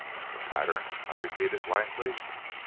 "A pattern!" I repeated, blankly.